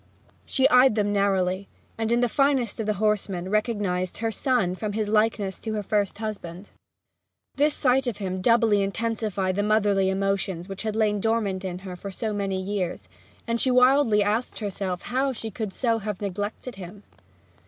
She eyed them narrowly, and in the finest of the horsemen recognized her son from his likeness to her first husband. This sight of him doubly intensified the motherly emotions which had lain dormant in her for so many years, and she wildly asked herself how she could so have neglected him?